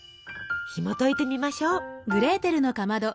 ひもといてみましょう。